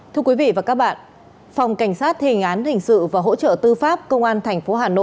thưa quý vị và các bạn phòng cảnh sát thềnh án hình sự và hỗ trợ tư pháp công an tp hcm